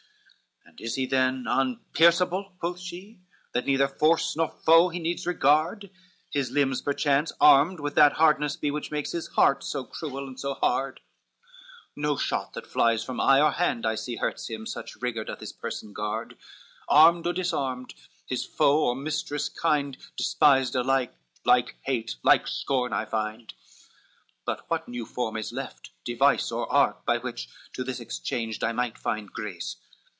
LXVI "And is he then unpierceable," quoth she, "That neither force nor foe he needs regard? His limbs, perchance, armed with that hardness be, Which makes his heart so cruel and so hard, No shot that flies from eye or hand I see Hurts him, such rigor doth his person guard, Armed, or disarmed; his foe or mistress kind Despised alike, like hate, like scorn I find. LXVII "But what new form is left, device or art, By which, to which exchanged, I might find grace?